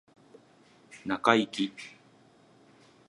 中イキ